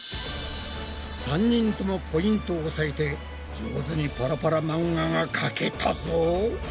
３人ともポイントをおさえて上手にパラパラ漫画がかけたぞ。